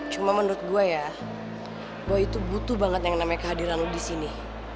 cuma menurut gue ya bahwa itu butuh banget yang namanya kehadiran di sini